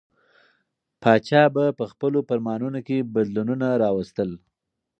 پاچا به په خپلو فرمانونو کې بدلونونه راوستل.